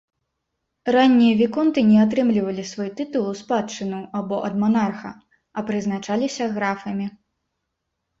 Раннія віконты не атрымлівалі свой тытул у спадчыну або ад манарха, а прызначаліся графамі.